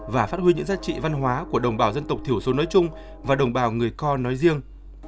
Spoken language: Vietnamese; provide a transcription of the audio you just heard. và phát huy những giá trị văn hóa của đồng bào dân tộc thiểu số nói chung và đồng bào người kho nói riêng